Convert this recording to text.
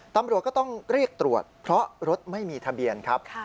ดรก็ต้องเรียกตรวจเพราะรถไม่มีทะเบียน